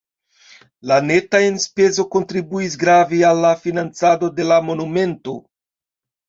La neta enspezo kontribuis grave al la financado de la monumento.